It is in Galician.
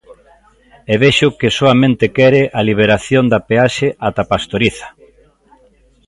E vexo que soamente quere a liberación da peaxe ata Pastoriza.